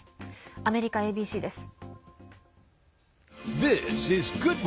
アメリカＡＢＣです。